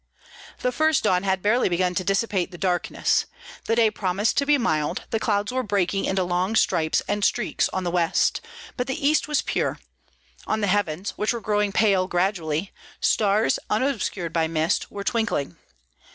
The first dawn had barely begun to dissipate the darkness; the day promised to be mild; the clouds were breaking into long stripes and streaks on the west, but the east was pure; on the heavens, which were growing pale gradually, stars, unobscured by mist, were twinkling.